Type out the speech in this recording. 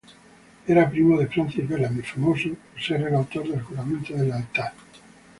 Era primo de Francis Bellamy, famoso por ser el autor del Juramento de Lealtad.